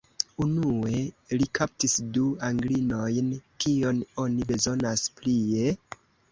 Unue, li kaptis du Anglinojn: kion oni bezonas plie?